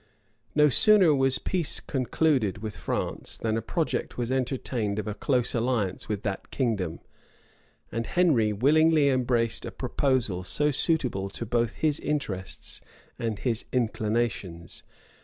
[*] No sooner was peace concluded with France, than a project was entertained of a close alliance with that kingdom; and Henry willingly embraced a proposal so suitable both to his interests and his inclinations.